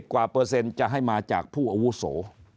กว่าเปอร์เซ็นต์จะให้มาจากผู้อาวุโส